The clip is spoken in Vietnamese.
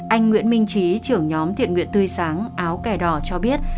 anh nguyễn minh trí trưởng nhóm thiện nguyện tươi sáng áo kè đỏ cho biết